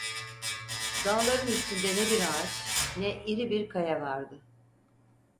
Dağların üstünde ne bir ağaç, ne iri bir kaya vardı.